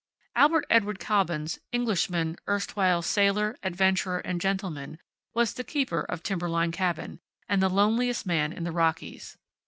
Albert Edward Cobbins, Englishman, erstwhile sailor, adventurer and gentleman, was the keeper of Timberline Cabin, and the loneliest man in the Rockies.